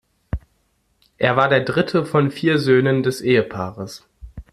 Er war der dritte von vier Söhnen des Ehepaares.